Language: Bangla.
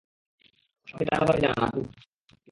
তো, আপনি তাড়াতাড়ি জানান, আপনি প্রস্তুত কি না।